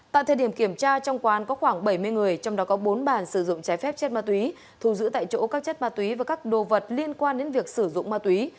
tại thời điểm kiểm tra trong quán có khoảng bảy mươi người trong đó có bốn bàn sử dụng trái phép chất ma túy thù giữ tại chỗ các chất ma túy và các đồ vật liên quan đến việc sử dụng ma túy